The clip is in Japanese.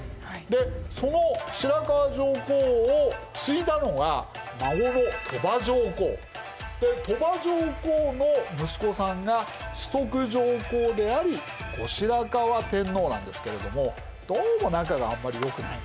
でその白河上皇を継いだのが孫の鳥羽上皇。で鳥羽上皇の息子さんが崇徳上皇であり後白河天皇なんですけれどもどうも仲があんまり良くない。